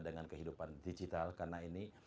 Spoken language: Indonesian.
dengan kehidupan digital karena ini